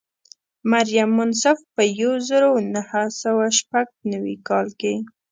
مریم منصف په یو زر او نهه سوه شپږ نوي کال کې.